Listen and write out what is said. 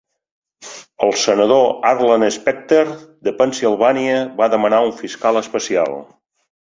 El senador Arlen Specter de Pennsilvània va demanar un fiscal especial.